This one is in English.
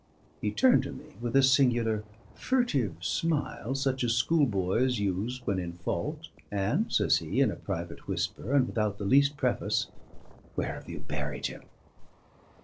He turned to me with a singular furtive smile, such as schoolboys use when in fault; and says he, in a private whisper, and without the least preface: "Where have you buried him?"